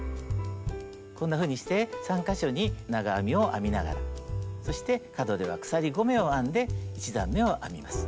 こんなふうにして３か所に長編みを編みながらそして角では鎖５目を編んで１段めを編みます。